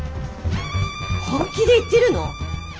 本気で言ってるの？